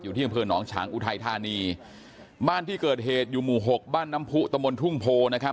ที่เกิดเกิดเหตุอยู่หมู่๖บ้านน้ำผู้ตะมนต์ทุ่งโพนะครับที่เกิดเกิดเหตุอยู่หมู่๖บ้านน้ำผู้ตะมนต์ทุ่งโพนะครับ